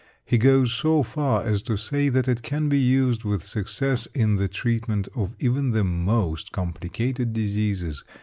He goes so far as to say that it can be used with success in the treatment of even the most complicated diseases.